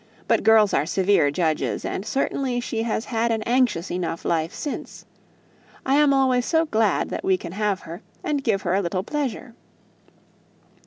But girls are severe judges, and certainly she had had an anxious enough lifetime. I am always so glad when we can have her, and give her a little pleasure.